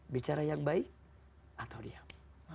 bicara yang baik atau diam